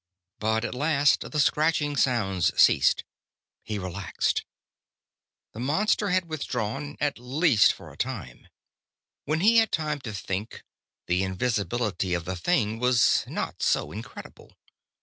But at last the scratching sounds ceased. He relaxed. The monster had withdrawn, at least for a time. When he had time to think, the invisibility of the thing was not so incredible.